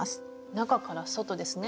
中から外ですね。